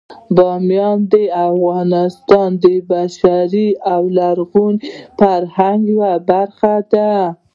بامیان د افغانستان د بشري او لرغوني فرهنګ یوه برخه ده.